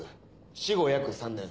死後約３年。